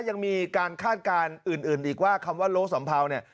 ยังมีการคาดการณ์อื่นอีกว่าคำว่าโลสัมเภาเนี่ย